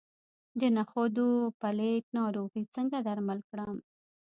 د نخودو د پیلټ ناروغي څنګه درمل کړم؟